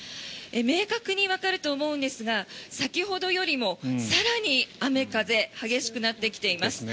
明確にわかると思うんですが先ほどよりも更に雨風激しくなってきています。